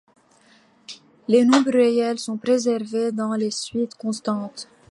Les nombres réels sont préservés dans les suites constantes.